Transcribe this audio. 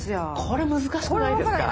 これ難しくないですか？